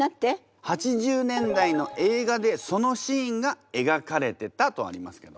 ８０年代の映画でそのシーンが描かれてたとありますけど。